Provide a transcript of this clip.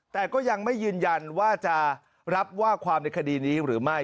แต่ก็ยังไม่ยืนยันว่าจะรับว่าความในคดีนี้หรือไม่